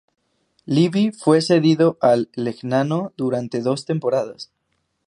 Livi fue cedido al Legnano durante dos temporadas.